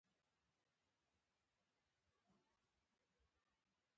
مېلمه ته مه وايه چې ولې راغلې.